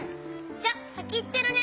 じゃあさきいってるね！